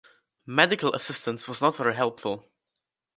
Medical assistance was not very helpful.